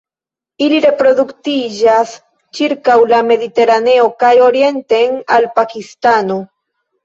Ili reproduktiĝas ĉirkaŭ la Mediteraneo kaj orienten al Pakistano.